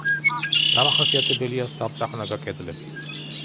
დამახასიათებელია სამწახნაგა კედლები.